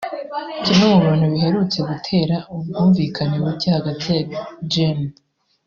Kimwe mu bintu biherutse gutera ubwumvikane buke hagati ya Gen